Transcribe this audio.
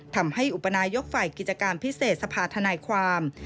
อุปนายกฝ่ายกิจการพิเศษสภาธนายความ